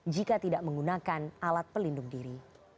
jika tidak menggunakan alat pelindung diri